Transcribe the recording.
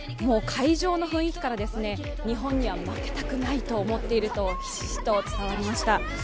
会場の雰囲気から、日本には負けたくないと思っているとひしひしと伝わりました。